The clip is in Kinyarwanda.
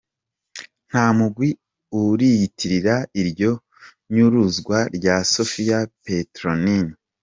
Nta mugwi uriyitirira iryo nyuruzwa rya Sophie Petronin.